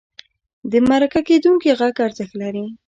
د مرکه کېدونکي غږ ارزښت لري.